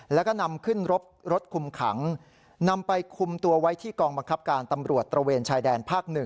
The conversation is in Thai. แล้วก็นำขึ้นรถคุมขังนำไปคุมตัวไว้ที่กองบังคับการตำรวจตระเวนชายแดนภาค๑